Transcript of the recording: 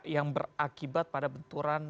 yang berakibat pada benturan